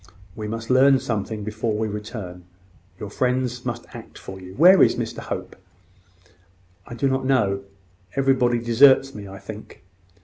We must learn something before we return. Your friends must act for you. Where is Mr Hope?" "I do not know. Everybody deserts me, I think."